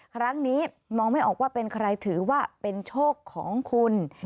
ครั้งนี้มองไม่ออกว่าเป็นใครถือว่าเป็นโชคของคุณ